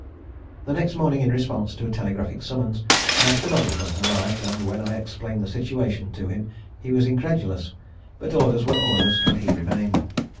The next morning in response to a telegraphic summons my stenographer arrived and when I explained the situation to him he was incredulous, but orders were orders and he remained.